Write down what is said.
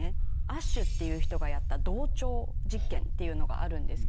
アッシュって人がやった同調実験っていうのがあるんですけど。